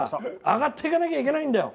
上がっていかないといけないんだよ！